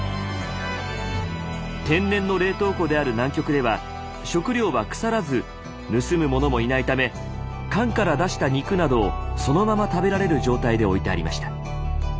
天然の冷凍庫である南極では食料は腐らず盗むものもいないため缶から出した肉などをそのまま食べられる状態で置いてありました。